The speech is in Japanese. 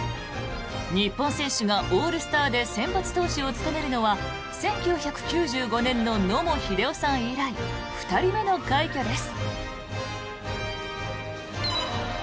日本選手がオールスターで先発投手を務めるのは１９９５年の野茂英雄さん以来２人目の快挙です。